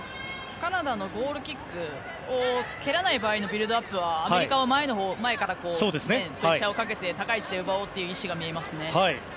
カナダのゴールキックを蹴らない場合のビルドアップはアメリカは前からプレッシャーをかけて高い位置で奪おうという意思が見えますね。